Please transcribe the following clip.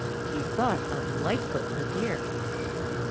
He thought of Lightfoot the Deer.